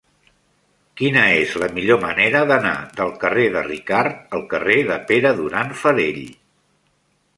Quina és la millor manera d'anar del carrer de Ricart al carrer de Pere Duran Farell?